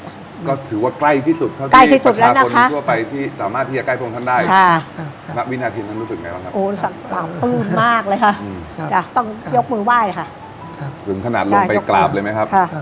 ละก็ถือว่าใกล้ที่สุดใกล้ที่สุดแล้วนะข้าทุกคนทั่วไปที่